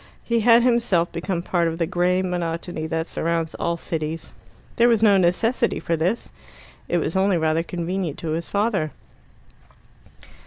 He had himself become part of the grey monotony that surrounds all cities. There was no necessity for this it was only rather convenient to his father.